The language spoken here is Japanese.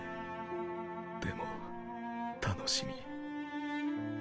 でも楽しみ。